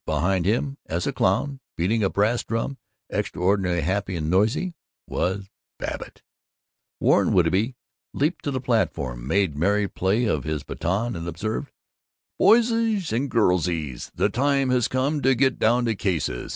Behind him, as a clown, beating a bass drum, extraordinarily happy and noisy, was Babbitt. Warren Whitby leaped on the platform, made merry play with his baton, and observed, "Boyses and girlses, the time has came to get down to cases.